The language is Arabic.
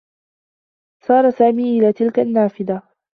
سار سامي إلى تلك النّافذة.